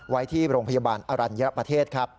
ไว้ที่โรงพยาบาลอรัญญประเทศครับ